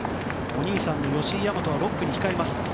お兄さんの吉居大和が６区に控えます。